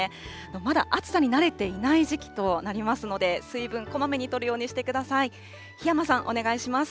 まだ暑さに慣れていない時期となりますので、水分こまめにとるようにしてください。